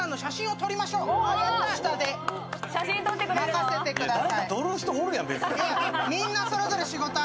任せてください。